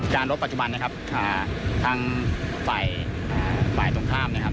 รถปัจจุบันนะครับทางฝ่ายตรงข้ามนะครับ